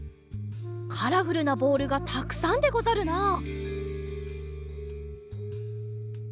カラフルなボールがたくさんでござるな。